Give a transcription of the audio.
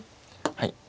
はい。